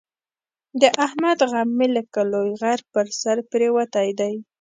د احمد غم مې لکه لوی غر په سر پرېوتی دی.